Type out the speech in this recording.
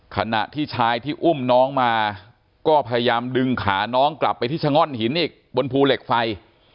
ขณะที่ชายที่อุ้มน้องมาก็พยายามดึงขาน้องกลับไปที่ชะง่อนหินอีกบนภูเหล็กไฟ